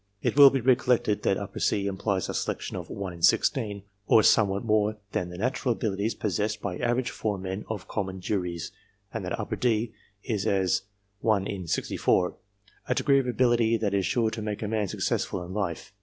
It will be recollected that C implies a selection of 1 in 16, or some what more than the natural abilities possessed by average foremen of common juries, and that D is as 1 in 64 a degree of ability that is sure to make a man successful in life.